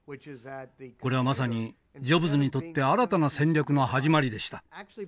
これはまさにジョブズにとって新たな戦略の始まりでした。